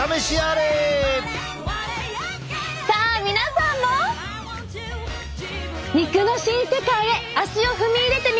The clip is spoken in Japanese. さあ皆さんも肉の新世界へ足を踏み入れてみませんか？